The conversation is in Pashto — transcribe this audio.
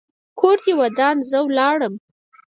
کور دې ودان؛ زه ولاړم.